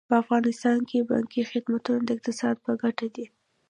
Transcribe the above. په افغانستان کې بانکي خدمتونه د اقتصاد په ګټه دي.